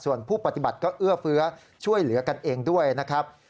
ส่วนผู้ปฏิบัติก็เอื้อเฟื้อช่วยเหลือกันเองด้วยนะครับ